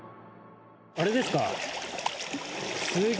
あれですか？